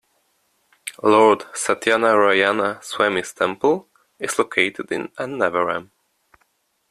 Lord Satyanarayana Swamy's Temple is located in Annavaram.